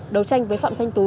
đầu tranh với phạm thanh tú